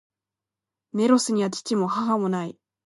メロスには父も、母も無い。